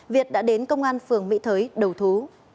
việt đã đến công an phường mỹ thới đầu thú